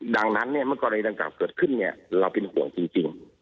ดังนั้นเมื่อก่อนในต่างจากเกิดขึ้นเราเป็นห่วงจริง